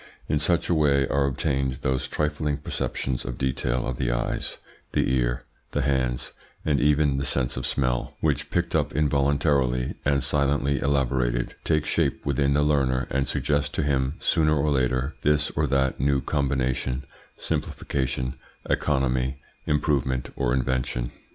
In such a way are obtained those trifling perceptions of detail of the eyes, the ear, the hands, and even the sense of smell, which, picked up involuntarily, and silently elaborated, take shape within the learner, and suggest to him sooner or, later this or that new combination, simplification, economy, improvement, or invention.